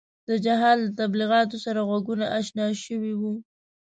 د جهاد له تبلیغاتو سره غوږونه اشنا شوي وو.